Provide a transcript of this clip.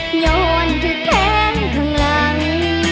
มันเจ็บใจแห้งย้วนถึงแท้งข้างหลัง